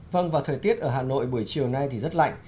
vâng và thời tiết ở hà nội buổi chiều nay thì rất lạnh